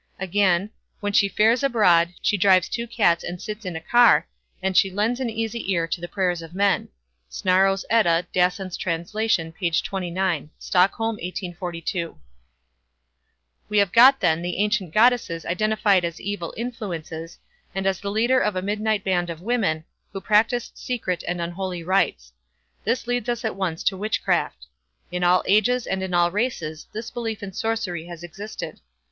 Again "when she fares abroad, she drives two cats and sits in a car, and she lends an easy ear to the prayers of men." We have got then the ancient goddesses identified as evil influences, and as the leader of a midnight band of women, who practised secret and unholy rites. This leads us at once to witchcraft. In all ages and in all races this belief in sorcery has existed.